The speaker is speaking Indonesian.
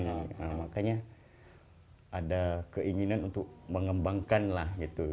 nah makanya ada keinginan untuk mengembangkanlah gitu